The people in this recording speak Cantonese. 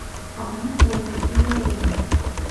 噉會係啲咩人呢？